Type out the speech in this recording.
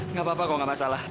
nggak apa apa kok gak masalah